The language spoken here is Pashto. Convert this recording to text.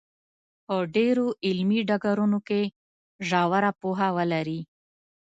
په ډېرو علمي ډګرونو کې ژوره پوهه ولري.